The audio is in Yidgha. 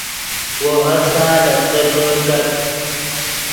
وو ہر سال افسرنے کت